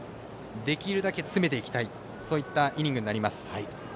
できるだけ詰めていきたいイニングになります。